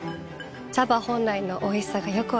茶葉本来のおいしさがよく分かります。